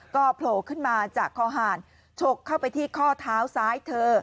ก็โผล่ขึ้นมาจากคอหารฉกเข้าไปที่ข้อเท้าซ้ายเธอ